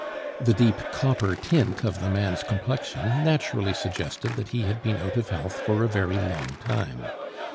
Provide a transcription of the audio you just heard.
The deep copper tint of the man's complexion naturally suggested that he had been out of health for a very long time.